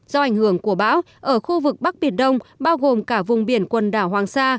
do ảnh hưởng của bão ở khu vực bắc biển đông bao gồm cả vùng biển quần đảo hoàng sa